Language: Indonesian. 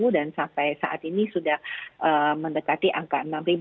dan sampai saat ini sudah mendekati angka enam